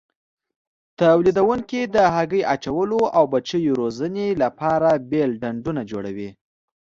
تولیدوونکي د هګۍ اچولو او بچیو روزنې لپاره بېل ډنډونه جوړوي.